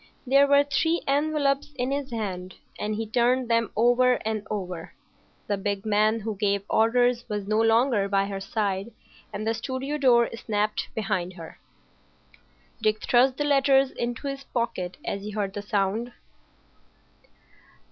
There were three envelopes in his hand, and he turned them over and over. The big man who gave orders was no longer by her side, and the studio door snapped behind her. Dick thrust the letters into his pocket as he heard the sound.